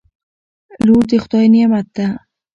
لور دخدای نعمت ده